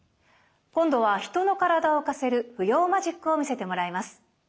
今度は人の体を浮かせる浮揚マジックを見せてもらいます。